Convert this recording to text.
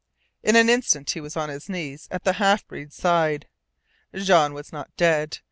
In an instant he was on his knees at the half breed's side. Jean was not dead.